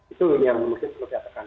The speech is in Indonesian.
itu yang mungkin perlu diatakan